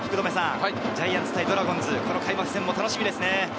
ジャイアンツ対ドラゴンズ、開幕戦楽しみですね。